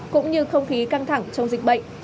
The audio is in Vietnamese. cũng như không khí căng thẳng trong dịch bệnh